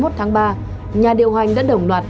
hai mươi tháng ba nhà điều hành đã đồng loạt